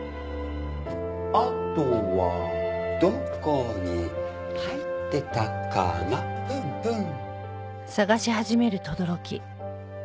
「あとはどこに入ってたかなプンプン」